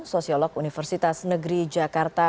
sosiolog universitas negeri jakarta